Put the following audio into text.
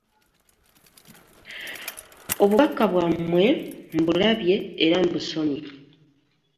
Obubaka bwammwe mbulabye era mbusomye.